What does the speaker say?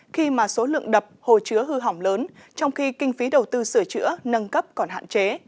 khi mà số lượng đập hồ chứa hư hỏng lớn trong khi kinh phí đầu tư sửa chữa nâng cấp còn hạn chế